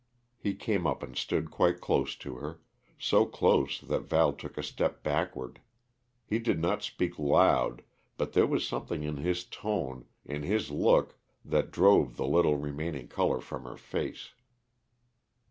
He came up and stood quite close to her so close that Val took a step backward. He did not speak loud, but there was something in his tone, in his look, that drove the little remaining color from her face.